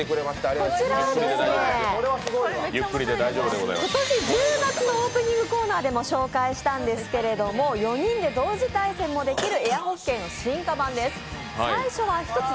こちらは今年１０月のオープニングコーナーでも紹介したんですけれども、４人で同時対戦もできる「エアホッケー」の進化版です。